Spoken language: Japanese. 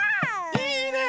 いいね！